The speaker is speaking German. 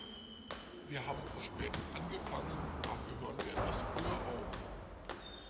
Wir haben verspätet angefangen, dafür hören wir etwas früher auf.